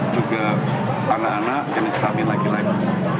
juga anak anak jenis kami laki laki